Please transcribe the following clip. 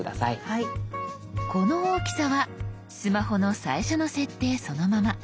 この大きさはスマホの最初の設定そのまま。